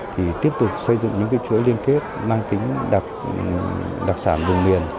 thì tiếp tục xây dựng những chuỗi liên kết mang tính đặc sản vùng miền